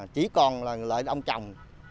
chỉ còn là lợi ông chồng